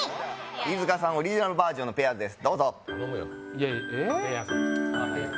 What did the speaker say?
飯塚さんオリジナルバージョンの「ペアーズ」です。